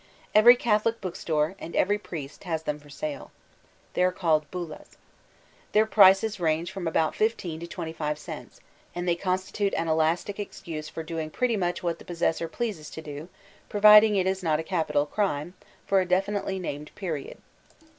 Every Catholic bocdcstore, and every priest, has them for sale. They are called ''bulas.'' Their prices range from about 15 to 25 cents, and they con stitute an elastic excuse for doing pretty much what the possessor pleases to do, providing it is not a capital crime, for a definitely named period.